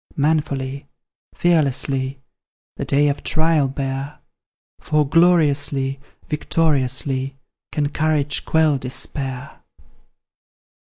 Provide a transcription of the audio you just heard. Manfully, fearlessly, The day of trial bear, For gloriously, victoriously, Can courage quell despair!